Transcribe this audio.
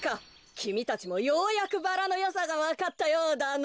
きみたちもようやくバラのよさがわかったようだな。